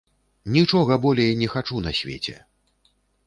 Нічога болей не хачу на свеце!